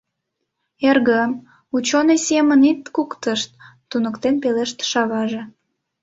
— Эргым, учёный семын ит куктышт, — туныктен пелештыш аваже.